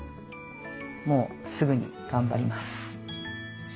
もうすぐに頑張ります。